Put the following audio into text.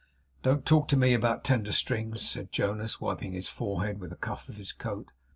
'Don't talk to me about tender strings,' said Jonas, wiping his forehead with the cuff of his coat.